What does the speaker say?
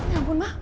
ya ampun ma